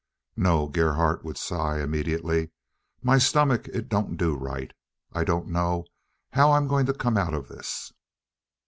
"No," Gerhardt would sigh immediately, "my stomach it don't do right. I don't know how I am going to come out of this."